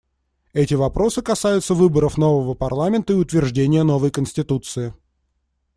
Эти вопросы касаются выборов нового парламента и утверждения новой конституции.